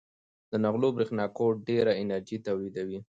د نغلو برېښنا کوټ ډېره انرژي تولیدوي.